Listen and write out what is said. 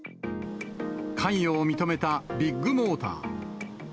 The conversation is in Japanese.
関与を認めたビッグモーター。